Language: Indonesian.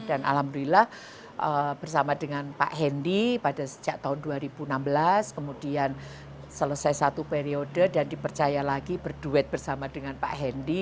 dan alhamdulillah bersama dengan pak hendy pada sejak tahun dua ribu enam belas kemudian selesai satu periode dan dipercaya lagi berduet bersama dengan pak hendy